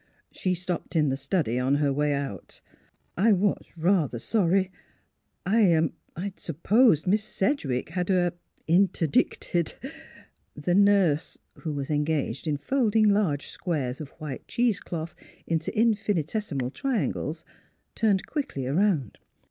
She stopped in the study on her way out. ... I was rather sorry, I er supposed Miss Sedge wick had er interdicted " The nurse, who was engaged in folding large squares of white cheese cloth into infinitesimal triangles, turned quickly around.